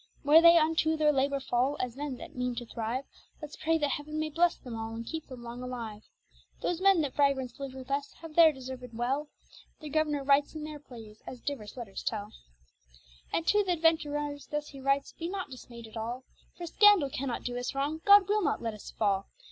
Where they unto their labour fall, as men that meane to thrive; Let's pray that heaven may blesse them all, and keep them long alive. Those men that vagrants liv'd with us, have there deserved well; Their governour writes in their praise, as divers letters tel. And to th' adventurers thus he writes be not dismayed at all, For scandall cannot doe us wrong, God will not let us fall.